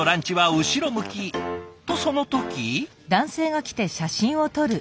とその時。